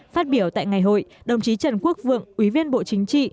phát biểu tại ngày hội đồng chí trần quốc vượng ủy viên bộ chính trị